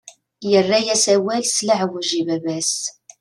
Yerra-yas awal s leɛweǧ i baba-s.